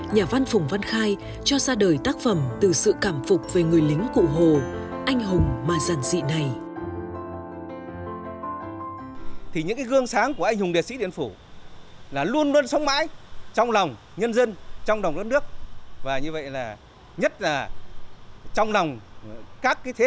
nhà văn phùng văn khai cho ra đời tác phẩm từ sự cảm phục về người lính cụ hồ anh hùng mà dần dị này